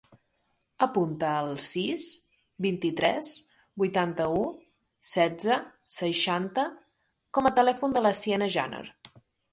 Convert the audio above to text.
Apunta el sis, vint-i-tres, vuitanta-u, setze, seixanta com a telèfon de la Siena Janer.